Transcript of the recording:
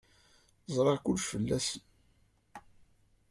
Zṛiɣ kullec fell-asen.